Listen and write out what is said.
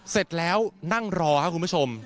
เสร็จแล้วนั่งรอครับคุณผู้ชม